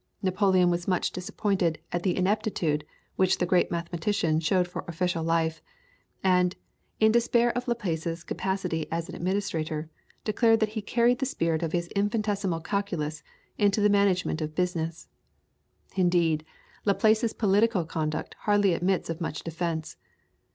Napoleon was much disappointed at the ineptitude which the great mathematician showed for official life, and, in despair of Laplace's capacity as an administrator, declared that he carried the spirit of his infinitesimal calculus into the management of business. Indeed, Laplace's political conduct hardly admits of much defence.